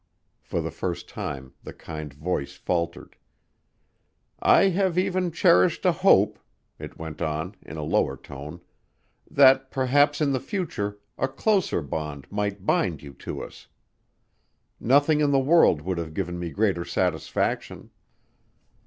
For the first time the kind voice faltered. "I have even cherished a hope," it went on in a lower tone, "that perhaps in the future a closer bond might bind you to us. Nothing in the world would have given me greater satisfaction."